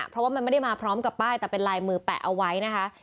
เพราะว่ามันไม่ได้มาพร้อมกับป้ายแต่เป็นลายมือแปะเอาไว้นะคะ